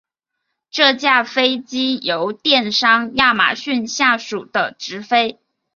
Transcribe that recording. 这架飞机由电商亚马逊下属的执飞。